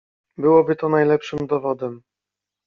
"Byłoby to najlepszym dowodem."